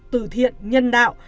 từ thiện nhân đạo